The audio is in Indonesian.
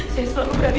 saya selalu berani